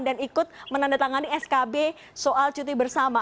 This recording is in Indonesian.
dan ikut menandatangani skb soal cuti bersama